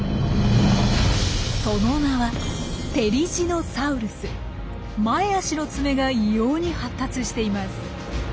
その名は前足のツメが異様に発達しています。